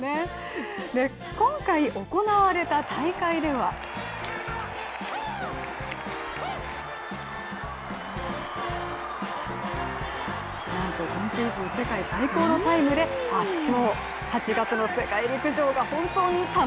今回行われた大会ではなんと今シーズン世界最高のタイムで圧勝。